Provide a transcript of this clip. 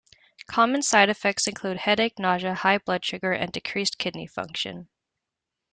Common side effects include headache, nausea, high blood sugar, and decreased kidney function.